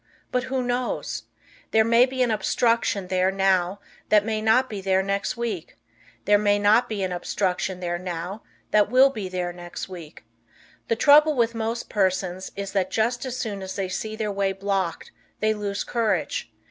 But who knows? There may be an obstruction there now that might not be there next week. There may not be an obstruction there now that will be there next week. The trouble with most persons is that just as soon as they see their way blocked they lose courage.